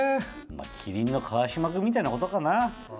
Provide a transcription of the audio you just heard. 麒麟の川島君みたいなことかな。